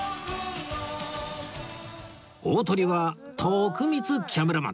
大トリは徳光キャメラマン